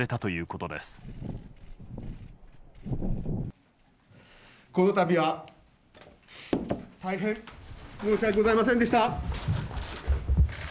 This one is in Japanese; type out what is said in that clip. この度は大変申し訳ございませんでした。